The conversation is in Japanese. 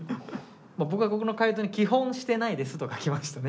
僕はここの解答に「基本してないです」と書きましたね。